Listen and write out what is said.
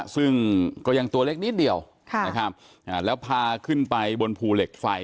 ซึ่งก็ยังตัวเล็กนิดเดียวนะครับแล้วพาขึ้นไปบนภูเหล็กไฟ